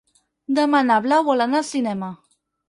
Demà na Blau vol anar al cinema.